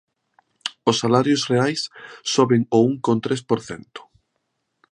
Os salarios reais, soben o un con tres por cento.